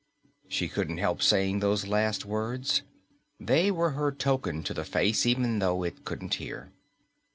She couldn't help saying those last words. They were her token to the face, even though it couldn't hear.